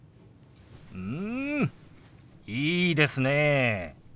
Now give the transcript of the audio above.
うんいいですねえ。